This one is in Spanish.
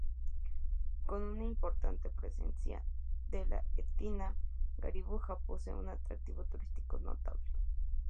Con una importante presencia de la etnia garífuna, posee un atractivo turístico notable.